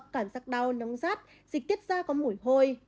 cảm giác đau nóng rát dịch tiết da có mũi hôi